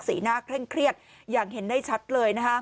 หน้าเคร่งเครียดอย่างเห็นได้ชัดเลย